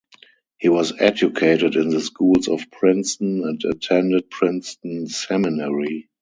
He was educated in the schools of Princeton and attended Princeton Seminary.